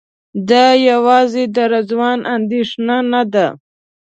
دا یوازې د رضوان اندېښنه نه ده.